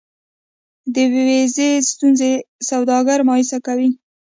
د ویزې ستونزې سوداګر مایوسه کوي.